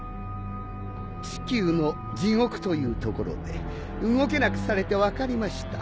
地球の地獄という所で動けなくされて分かりました。